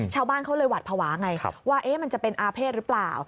ชาวบ้านเขาเลยหวัดภาวะไงว่ามันจะเป็นอาเภษหรือเปล่า